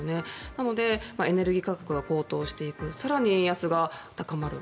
なのでエネルギー価格が高騰していく更に円安が高まる。